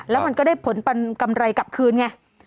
แล้วมันก็ได้ผลปันกำไรกลับคืนไง